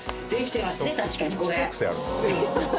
確かにこれ！